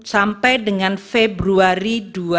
sampai dengan februari dua ribu dua puluh